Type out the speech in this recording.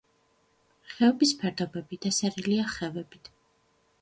ხეობის ფერდობები დასერილია ხევებით.